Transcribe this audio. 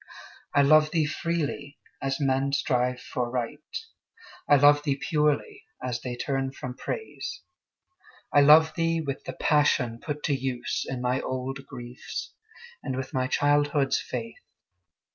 I love thee freely, as men strive for Right; I love thee purely, as they turn from Praise. I love thee with the passion put to use In my old griefs, and with my childhood's faith.